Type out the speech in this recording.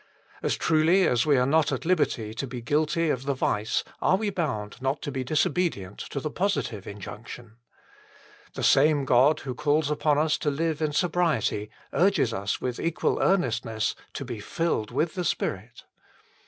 As truly as we are not at liberty to be guilty of the vice are we bound not to be disobedient to the positive in junction. The same God who calls upon, us to live in sobriety urges us with equal earnestness to be filled with the Spirit.